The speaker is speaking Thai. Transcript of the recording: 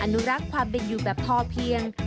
อนุรักษ์ความเป็นอยู่แบบพอเพียง